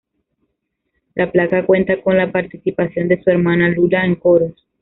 La placa cuenta con la participación de su hermana Lula en coros.